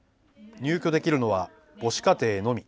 入居できるのは母子家庭のみ。